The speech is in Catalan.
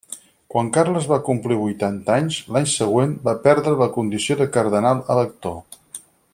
Quan Carles va complir vuitanta anys, l'any següent, va perdre la condició de cardenal elector.